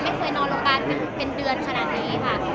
ไม่เคยนอนโรงพยาบาลเป็นเดือนขนาดนี้ค่ะ